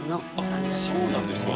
そうなんですか？